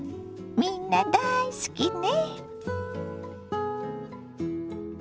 みんな大好きね。